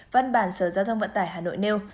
văn bản sở giao thông vận tải hà nội nêu